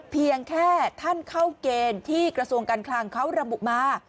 เพียงแค่ท่านเข้าเกณฑ์ที่กระทรวงการคลังเขาระบุมา